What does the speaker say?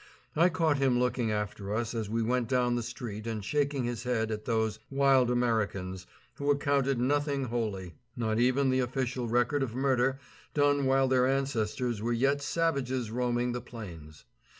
I caught him looking after us as we went down the street and shaking his head at those "wild Americans" who accounted nothing holy, not even the official record of murder done while their ancestors were yet savages roaming the plains.